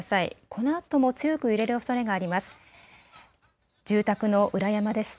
このあとも強く揺れるおそれがあります。